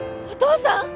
お父さん！